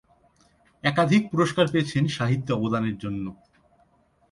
একাধিক পুরস্কার পেয়েছেন সাহিত্যে অবদানের জন্য।